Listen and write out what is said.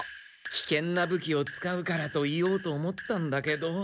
「危険な武器を使うから」と言おうと思ったんだけど。